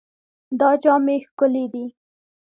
دا جامې ښکلې دي.